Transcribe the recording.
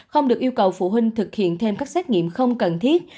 không được yêu cầu phụ huynh thực hiện thêm các xét nghiệm không cần thiết